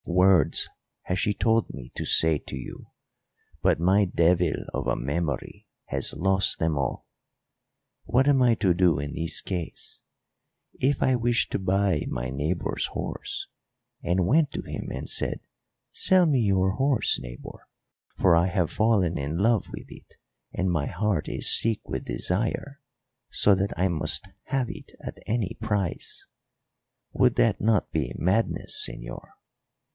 Words has she told me to say to you, but my devil of a memory has lost them all. What am I to do in this case? If I wished to buy my neighbour's horse, and went to him and said, 'Sell me your horse, neighbour, for I have fallen in love with it and my heart is sick with desire, so that I must have it at any price,' would that not be madness, señor?